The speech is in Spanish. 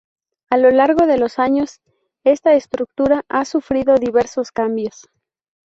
A lo largo de los años esta estructura ha sufrido diversos cambios.